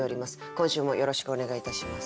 今週もよろしくお願いいたします。